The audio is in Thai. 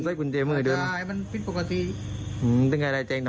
สวัสดีเราเป็นอะไรเป็นล่างบุญแจมือ